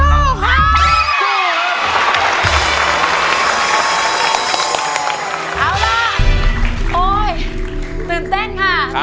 เอาล่ะโอ๊ยตื่นเต้นค่ะ